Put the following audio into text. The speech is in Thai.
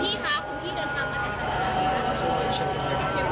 ตอนนี้เป็นครั้งหนึ่งครั้งหนึ่ง